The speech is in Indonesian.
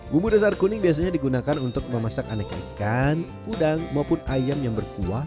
bumbu dasar kuning biasanya digunakan untuk memasak aneka ikan udang maupun ayam yang berkuah